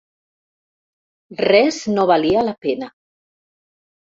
Res no valia la pena.